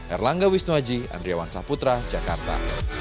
erlangga wisnuaji andriawan saputra jakarta